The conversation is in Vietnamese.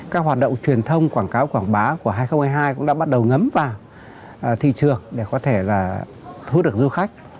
các hoạt động truyền thông quảng cáo quảng bá của hai nghìn hai mươi hai cũng đã bắt đầu ngấm vào thị trường để có thể là thu hút được du khách